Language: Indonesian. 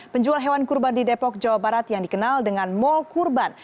penjual hewan kurban di depok jawa barat yang dikenal dengan mall kurban